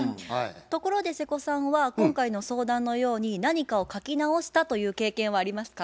ところで瀬古さんは今回の相談のように何かを書き直したという経験はありますか？